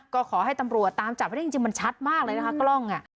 ก็ขอให้ตำรวจตามจับให้ได้จริงมันชัดมากเลยนะคะกล้อง